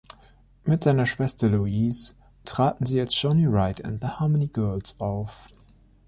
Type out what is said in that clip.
Mit seiner Schwester Louise traten sie als "Johnny Wright and the Harmony Girls" auf.